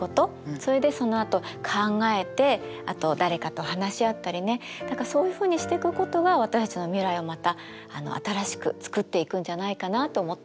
それでそのあと考えてあと誰かと話し合ったりね何かそういうふうにしてくことが私たちの未来をまた新しく作っていくんじゃないかなと思った。